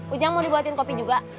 ujang mau dibuatin kopi juga